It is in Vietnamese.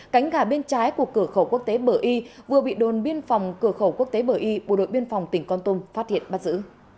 cánh gà bên trái của cửa khẩu quốc tế bờ y vừa bị đồn biên phòng cửa khẩu quốc tế bờ y bộ đội biên phòng tỉnh con tum phát hiện bắt giữ